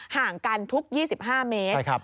ห่างกันทุก๒๕เมตร